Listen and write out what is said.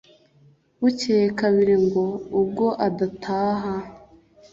Bukeye kabiri ngo " ubwo adataha,